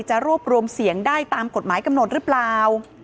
รวบรวมเสียงได้ตามกฎหมายกำหนดหรือเปล่า